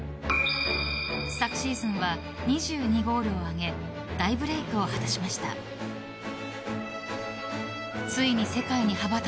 昨シーズンは２２ゴールを挙げ大ブレイクを果たしました。